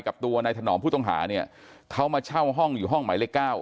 กับตัวนายถนอมผู้ต้องหาเนี่ยเขามาเช่าห้องอยู่ห้องหมายเลข๙